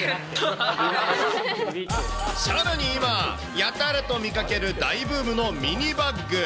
さらに今、やたらと見かける大ブームのミニバッグ。